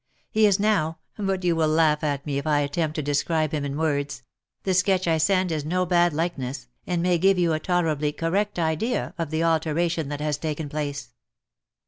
He is now — but you will laugh at me if I attempt to describe him in words — the sketch I send is no bad like ness, and may give you a tolerably correct idea of the alteration that has taken place.